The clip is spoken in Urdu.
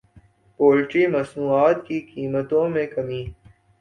پولٹری مصنوعات کی قیمتوں میں کمی